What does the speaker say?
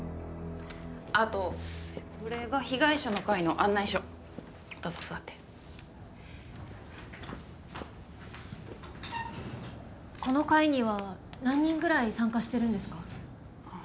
あとこれが被害者の会の案内書どうぞ座ってこの会には何人ぐらい参加してるんですか？